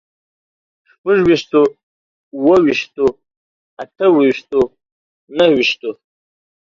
شپږ ويشتو، اووه ويشتو، اته ويشتو، نهه ويشتو